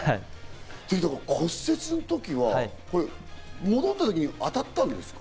骨折の時は戻った時に当たったんですか？